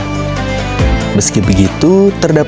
meski begitu terdapat banyak pilihan untuk menjelang lebaran